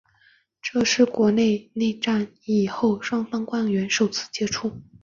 这是国共内战以后双方官员首次接触。